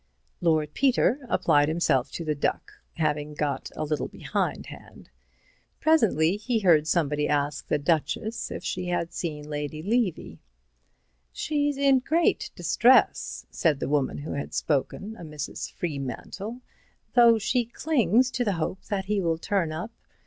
Lord Peter applied himself to the duck, having got a little behindhand. Presently he heard somebody ask the Duchess if she had seen Lady Levy. "She is in great distress," said the woman who had spoken, a Mrs. Freemantle, "though she clings to the hope that he will turn up.